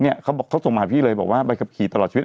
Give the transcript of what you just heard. เนี้ยเขาโบะเขาส่งมาพี่เลยบอกว่าไปกับขี่ตลอดชีวิต